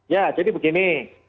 ya jadi begini